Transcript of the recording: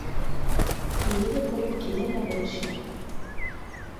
Тегеһе тынып килә лә белешә: